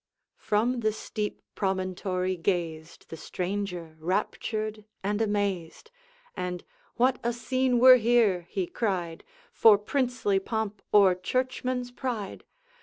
From the steep promontory gazed The stranger, raptured and amazed, And, 'What a scene were here,' he cried, 'For princely pomp or churchman's pride!